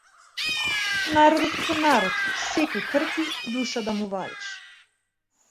Народот како народ секој трпи душа да му вадиш.